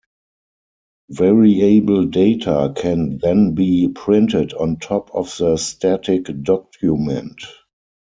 Variable data can then be printed on top of the static document.